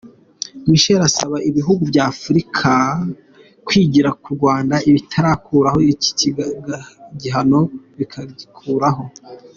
Michel asaba ibihugu by'Afurika kwigira ku Rwanda ibitarakuraho iki gihano bikagikuraho.